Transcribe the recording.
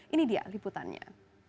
ini dia liputannya